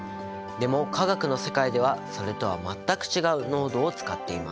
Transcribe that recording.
でも化学の世界ではそれとは全く違う濃度を使っています。